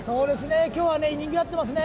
今日はにぎわってますね。